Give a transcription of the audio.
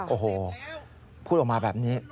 โอ้โหพูดออกมาแบบนี้